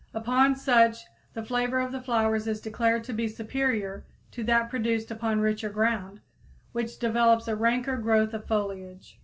Upon such the flavor of the flowers is declared to be superior to that produced upon richer ground, which develops a ranker growth of foliage.